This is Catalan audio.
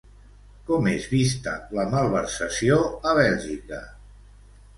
Com és vista la malversació a Bèlgica?